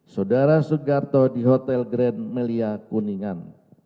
saudara sugarto di hotel grand melia kuningan